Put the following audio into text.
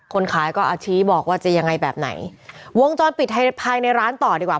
คนขายก็อาชี้บอกว่าจะยังไงแบบไหนวงจรปิดภายในภายในร้านต่อดีกว่า